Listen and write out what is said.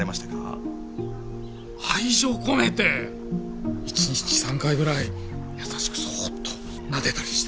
愛情込めて一日３回ぐらい優しくそっとなでたりして。